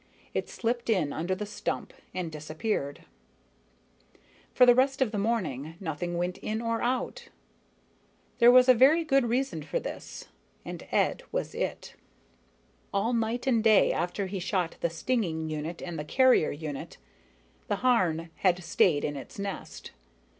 It slipped in under the stump and disappeared. For the rest of the morning, nothing went in or out. There was a very good reason for this, and Ed was it. All night and day after he shot the stinging unit and the carrier unit, the Harn had stayed in its nest.